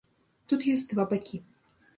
Тут ёсць два бакі.